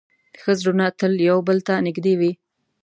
ښه زړونه تل یو بل ته نږدې وي.